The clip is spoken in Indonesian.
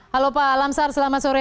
halo pak lamsar selamat sore